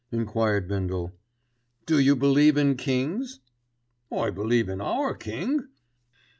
enquired Bindle. "Do you believe in kings?" "I believe in our King."